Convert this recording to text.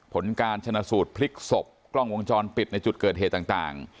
ผลการชนะสูตรพลิกศพกล้องวงจรปิดในจุดเกิดเหตุต่าง